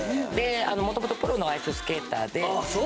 もともとプロのアイススケーターでああそう！